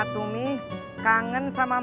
pipih juga pengen pulang